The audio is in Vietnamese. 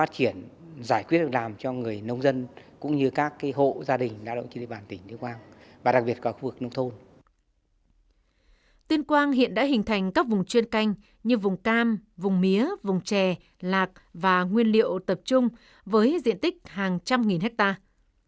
tuyên quang hiện đã hình thành các vùng chuyên canh như vùng cam vùng mía vùng chè lạc và nguyên liệu tập trung với diện tích hàng trăm nghìn hectare